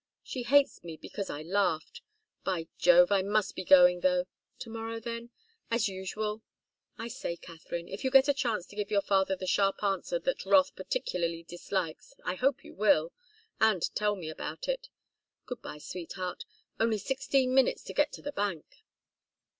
She hates me because I laughed. By Jove! I must be going, though. To morrow, then? As usual. I say, Katharine if you get a chance to give your father the sharp answer that wrath particularly dislikes, I hope you will and tell me about it. Good bye, sweetheart only sixteen minutes to get to the bank!"